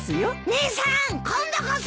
姉さん今度こそ！